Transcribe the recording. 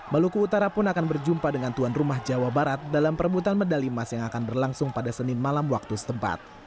maluku utara pun akan berjumpa dengan tuan rumah jawa barat dalam perebutan medali emas yang akan berlangsung pada senin malam waktu setempat